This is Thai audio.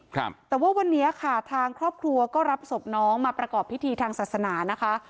ครับแต่ว่าวันนี้ค่ะทางครอบครัวก็รับศพน้องมาประกอบพิธีทางศาสนานะคะ